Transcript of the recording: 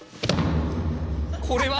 これは？